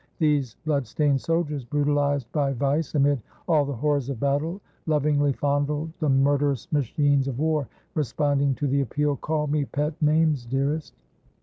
These blood stained soldiers, brutalized by vice, amid all the horrors of battle, lov ingly fondled the murderous machines of war, respond ing to the appeal, "Call me pet names, dearest."